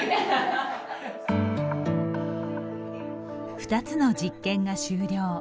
２つの実験が終了。